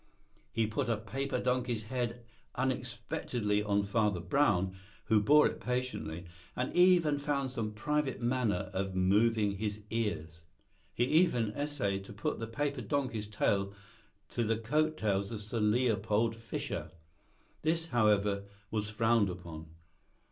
He put a paper donkey's head unexpectedly on Father Brown, who bore it patiently, and even found some private manner of moving his ears. He even essayed to put the paper donkey's tail to the coat tails of Sir Leopold Fischer. This, however, was frowned down.